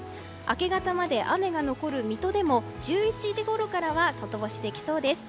明け方まで雨が残る水戸でも１１時ごろからは外干しできそうです。